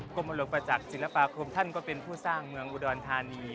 กรมหลวงประจักษ์ศิลปาคมท่านก็เป็นผู้สร้างเมืองอุดรธานี